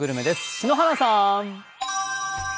篠原さん。